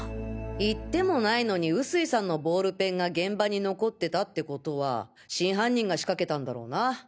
行ってもないのに臼井さんのボールペンが現場に残ってたってことは真犯人が仕掛けたんだろうな。